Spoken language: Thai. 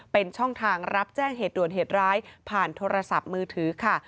เป็นช่องทางรับแจ้งเหตุด่วนเหตุร้ายผ่านโทรศัพท์มือถือค่ะ